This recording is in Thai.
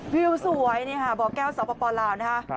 วิวสวยนี่ค่ะบ่อแก้วสปลาวนะครับ